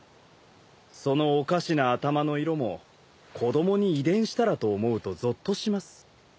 そのおかしな頭の色も子供に遺伝したらと思うとぞっとします。